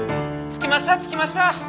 ・着きました着きました。